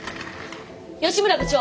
吉村部長。